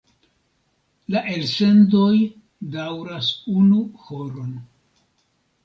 La elsendoj daŭras unu horon.